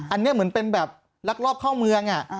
อันนี้เหมือนเป็นแบบลักลอบเข้าเมือง